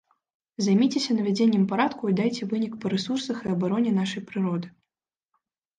Займіцеся навядзеннем парадку і дайце вынік па рэсурсах і абароне нашай прыроды.